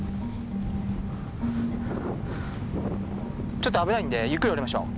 ちょっと危ないんでゆっくり下りましょう。